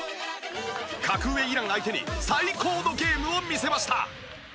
格上イラン相手に最高のゲームを見せました。